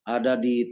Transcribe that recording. ada di rumah